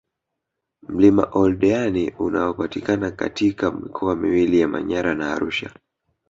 Mlima Oldeani unaopatikana katika mikoa miwili ya Manyara na Arusha